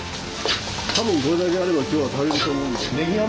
多分これだけあれば今日は足りると思うんで。